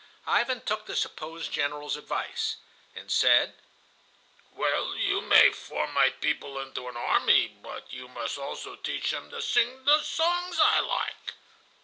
Ivan took the supposed General's advice, and said: "Well, you may form my people into an army, but you must also teach them to sing the songs I like."